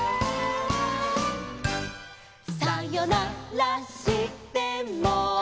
「さよならしても」